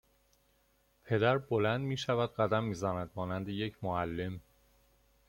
پدر بلند میشود قدم میزند مانند یک معلم